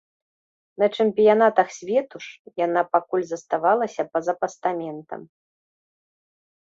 На чэмпіянатах свету ж яна пакуль заставалася па-за пастаментам.